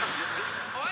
おい！」。